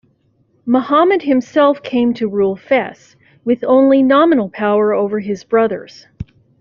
Muhammad himself came to rule Fes, with only nominal power over his brothers.